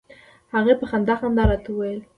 هغې په خندا خندا راته وویل.